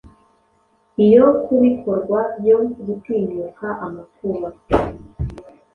Iyo kubikorwa byo gutinyuka amakuba